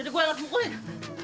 daguannya di sini gue